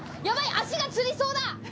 脚がつりそうだ